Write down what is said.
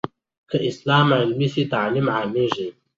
که اسلام عملي سي، تعلیم عامېږي.